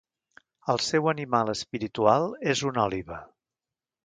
Al seu animal espiritual és una òliba.